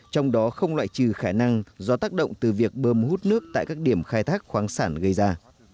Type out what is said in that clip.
trong đó không loại trừ khả năng do tác động từ việc bơm hút nước tại các điểm khai thác khoáng sản gây ra